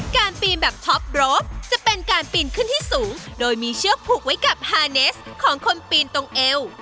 การปีนแบบท็อปโรปจะเป็นการปีนขึ้นที่สูงโดยมีเชือกผูกไว้กับฮาเนสของคนปีนตรงเอว